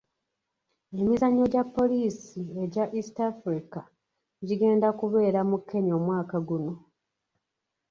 Emizannyo gya poliisi egya East Africa gigenda kubeera mu Kenya omwaka guno.